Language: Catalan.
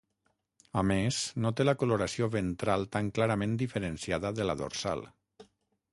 A més, no té la coloració ventral tan clarament diferenciada de la dorsal.